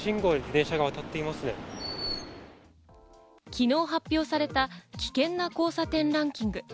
昨日発表された危険な交差点ランキング。